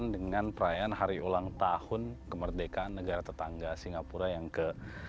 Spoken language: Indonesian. dengan perayaan hari ulang tahun kemerdekaan negara tetangga singapura yang ke lima puluh tujuh